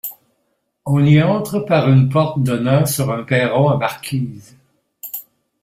On y entre par une porte donnant sur un perron à marquise.